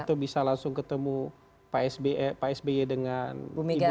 atau bisa langsung ketemu pak sby dengan ibu ibu